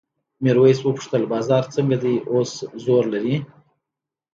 میرويس وپوښتل بازار څنګه دی اوس زور لري؟